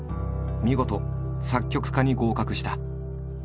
見事作曲科に合格した。